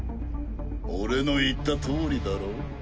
俺の言ったとおりだろ？